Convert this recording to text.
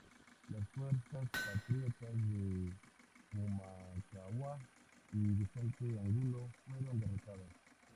Las fuerzas patriotas de Pumacahua y Vicente Angulo fueron derrotadas.